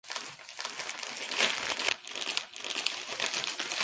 Se encuentra ubicada en la zona centro-oriental de la ciudad.